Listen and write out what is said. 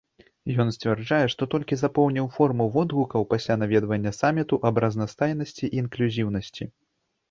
Ён сцвярджае, што толькі запоўніў форму водгукаў пасля наведвання саміту аб разнастайнасці і інклюзіўнасці.